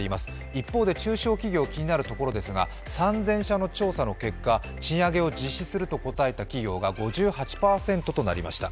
一方で中小企業、気になるところですが３０００社の調査の結果、賃上げを実施すると答えた企業が５８％となりました。